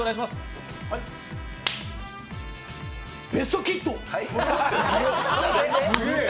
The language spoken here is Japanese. ベストキット！